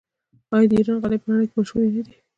آیا د ایران غالۍ په نړۍ کې مشهورې نه دي؟